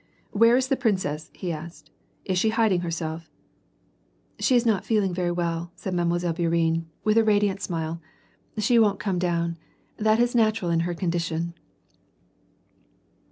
"Where is the princess?" he asked. "Is she hiding her self ?" "She is not feeling very well," said Mile. Bourienne, with a 260 ^'AR AND PEACE. radiant smile^ " she won't come down. That is natural in her condition."